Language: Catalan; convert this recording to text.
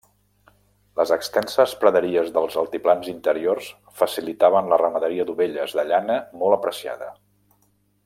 Les extenses praderies dels altiplans interiors facilitaven la ramaderia d'ovelles, de llana molt apreciada.